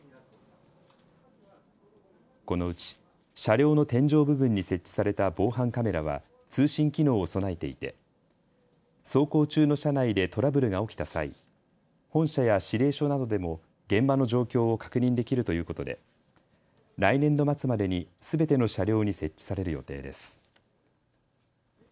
このうち車両の天井部分に設置された防犯カメラは通信機能を備えていて走行中の車内でトラブルが起きた際、本社や指令所などでも現場の状況を確認できるということで来年度末までにすべての車両に設置される予定です。